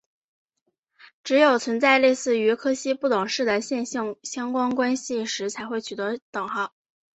只有存在类似于柯西不等式的线性相关关系时才会取得等号。